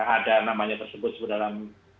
ada namanya tersebut dalam